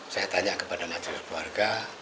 saya tanya kepada majelis keluarga